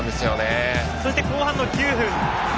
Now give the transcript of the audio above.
そして後半９分。